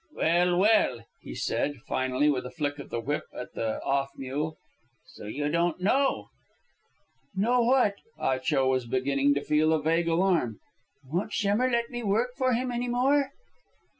"Well, well," he said finally, with a flick of the whip at the off mule, "so you don't know?" "Know what?" Ah Cho was beginning to feel a vague alarm. "Won't Schemmer let me work for him any more?"